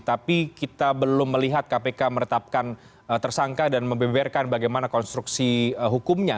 tapi kita belum melihat kpk meretapkan tersangka dan membeberkan bagaimana konstruksi hukumnya